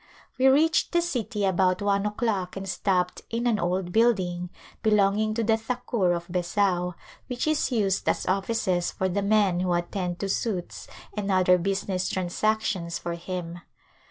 We reached the city about one o'clock and stopped in an old building, belonging to the Thakur of Besau, which is used as offices for the men who at tend to suits and other business transactions for him.